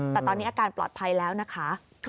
แต่ตอนนี้อาการปลอดภัยแล้วนะคะ